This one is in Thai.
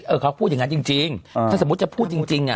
เออเขาพูดอย่างงั้นจริงจริงอ่าถ้าสมมุติจะพูดจริงจริงอ่ะ